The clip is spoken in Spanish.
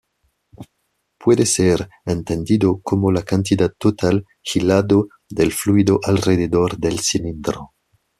Puede ser entendido como la cantidad total "hilado" del fluido alrededor del cilindro.